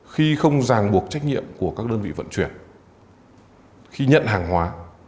khi không ràng buộc trách nhiệm của các đơn vị vận chuyển khi nhận hàng hóa